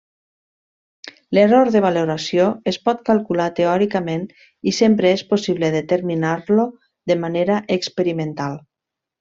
L'error de valoració es pot calcular teòricament i sempre és possible determinar-lo de manera experimental.